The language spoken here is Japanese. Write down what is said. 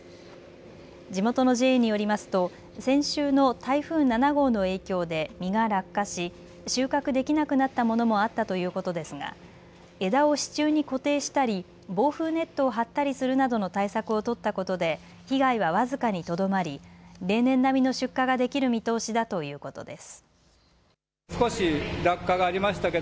地元のＪＡによりますと先週の台風７号の影響で実が落下し収穫できなくなったものもあったということですが枝を支柱に固定したり防風ネットを張ったりするなどの対策を取ったことで被害は僅かにとどまり例年並みの出荷ができる見通しだということです。